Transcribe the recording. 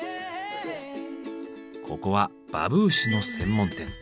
ここはバブーシュの専門店。